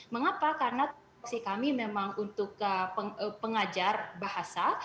mengapa karena kami memang untuk pengajar bahasa